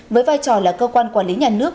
với vai trò là cơ quan quản lý nhà nước